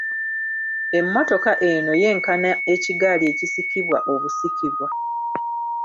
Emmotoka eno yenkana ekigaali ekisikibwa obusikibwa.